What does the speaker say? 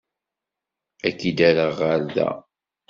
Ad k-id-rreɣ ɣer da.